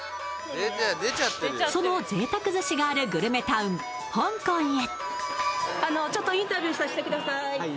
その贅沢寿司があるグルメタウン香港へ。